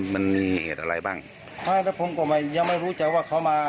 มันมีเหตุอะไรบ้างไม่แล้วผมก็ไม่ยังไม่รู้ใจว่าเขามา